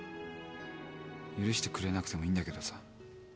許してくれなくてもいいんだけどさ。